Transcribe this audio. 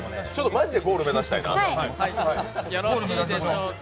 マジでゴール目指したいな。